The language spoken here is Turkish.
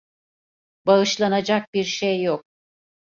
Bağışlanacak bir şey yok.